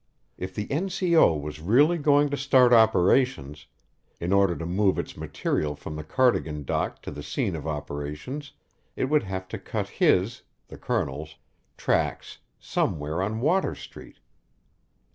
If the N. C. O. was really going to start operations, in order to move its material from the Cardigan dock to the scene of operations it would have to cut his (the Colonel's) tracks somewhere on Water Street.